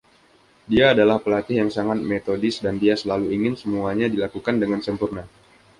Dia adalah pelatih yang sangat metodis, dan dia selalu ingin semuanya dilakukan dengan sempurna.